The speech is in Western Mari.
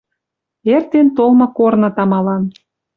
Эртен толмы корны тамалан.